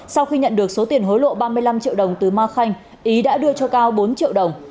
sau khi nhận được số tiền hối lộ ba mươi năm triệu đồng từ ma khanh ý đã đưa cho cao bốn triệu đồng